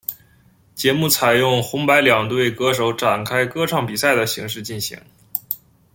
节目采由红白两队歌手展开歌唱比赛的形式进行。